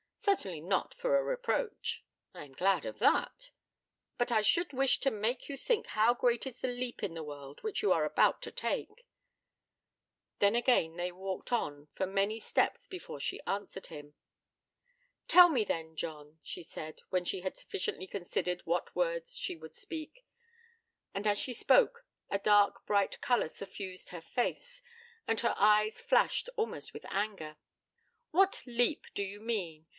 Certainly not for a reproach.' 'I am glad of that.' 'But I should wish to make you think how great is the leap in the world which you are about to take.' Then again they walked on for many steps before she answered him. 'Tell me, then, John,' she said, when she had sufficiently considered what words she would speak; and as she spoke a dark bright colour suffused her face, and her eyes flashed almost with anger. 'What leap do you mean?